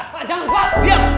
pak jangan pak